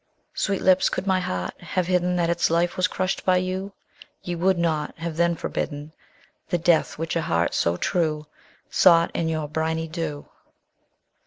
_15 4. Sweet lips, could my heart have hidden That its life was crushed by you, Ye would not have then forbidden The death which a heart so true Sought in your briny dew.